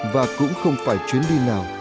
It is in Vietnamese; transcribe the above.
và cũng không phải chuyến đi nào